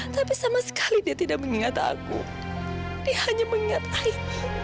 tapi sama sekali dia tidak mengingat aku dia hanya mengingat air